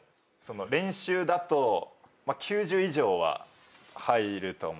練習だと９０以上は入ると思いますね